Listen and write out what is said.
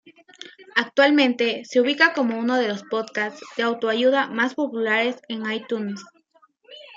Actualmente se ubica como uno de los podcasts de autoayuda más populares en iTunes.